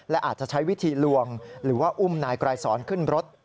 และอาจจะใช้วิธีลวงหรือว่าอุ้มนายไกรสอนขึ้นรถ